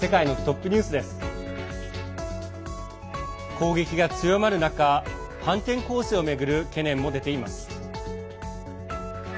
攻撃が強まる中反転攻勢を巡る懸念も出ています。